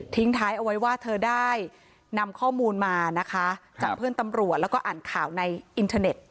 ท้ายเอาไว้ว่าเธอได้นำข้อมูลมานะคะจากเพื่อนตำรวจแล้วก็อ่านข่าวในอินเทอร์เน็ต